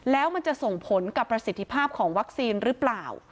แล้วมันจะส่งผลกับประสิทธิภาพของวัคซีนหรือเปล่า